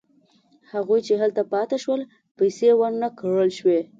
هغوی چې هلته پاتې شول پیسې ورنه کړل شوې.